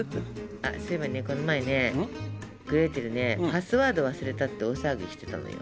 あっそういえばねこの前ねグレーテルねパスワード忘れたって大騒ぎしてたのよ。